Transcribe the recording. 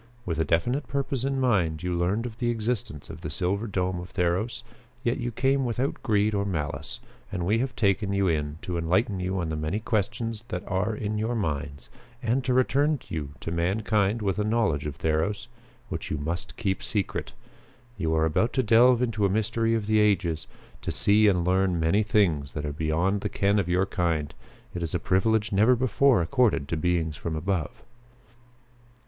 With a definite purpose in mind, you learned of the existence of the silver dome of Theros, yet you came without greed or malice and we have taken you in to enlighten you on the many questions that are in your minds and to return you to mankind with a knowledge of Theros which you must keep secret. You are about to delve into a mystery of the ages; to see and learn many things that are beyond the ken of your kind. It is a privilege never before accorded to beings from above."